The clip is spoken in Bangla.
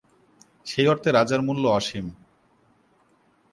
সেই অর্থে রাজার মূল্য অসীম।